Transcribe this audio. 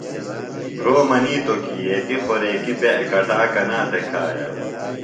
بُھروۡ منِیتوۡ کی ایتیۡ خوریکیۡ بےۡ اکٹا کنا تھےۡ کھایہ ؟